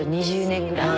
２０年ぐらい。